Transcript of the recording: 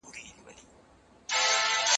استازو به کارګرانو ته د کار حق ورکړی وي.